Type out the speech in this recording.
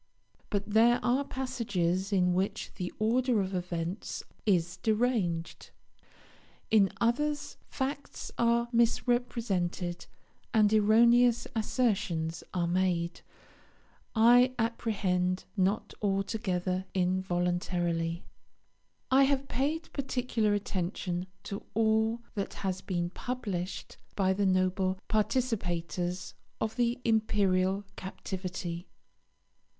But there are passages in which the order of events is deranged; in others facts are misrepresented and erroneous assertions are made, I apprehend, not altogether involuntarily. I have paid particular attention to all that has been published by the noble participators of the imperial captivity.